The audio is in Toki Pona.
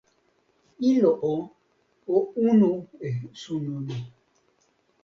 ilo o, o unu e suno ni.